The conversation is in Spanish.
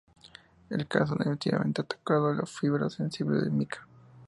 El caso definitivamente ha tocado la fibra sensible de Myka.